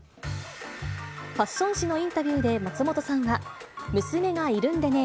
ファッション誌のインタビューで松本さんは、娘がいるんでね。